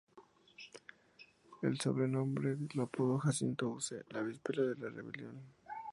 El sobrenombre lo adoptó Jacinto Uc la víspera de la rebelión.